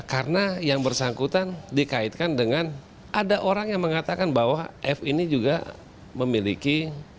karena yang bersangkutan dikaitkan dengan ada orang yang mengatakan bahwa f ini juga memiliki